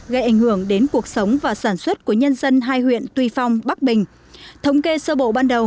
gây ảnh hưởng đến cuộc sống và sản xuất của người dân